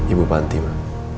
ibu panti bu